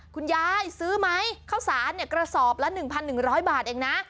คุณยายซื้อไหมข้าวสารกระสอบละ๑๑๐๐บาทเองนะ